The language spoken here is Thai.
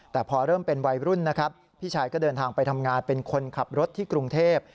แต่พอเริ่มเป็นวัยรุ่นนะครับพี่ชายก็เดินทางไปทำงานเป็นคนขับรถที่กรุงเทพ